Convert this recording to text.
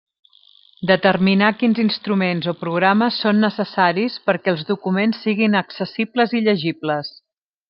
Determinar quins instruments o programes són necessaris perquè els documents siguin accessibles i llegibles.